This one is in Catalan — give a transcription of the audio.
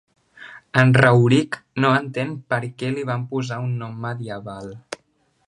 En Rauric no entén per què li van posar un nom medieval.